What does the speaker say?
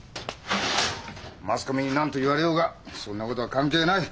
マスコミに何と言われようがそんなことは関係ない！